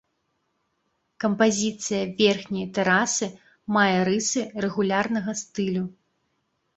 Кампазіцыя верхняй тэрасы мае рысы рэгулярнага стылю.